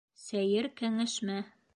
Сәйер кәңәшмә.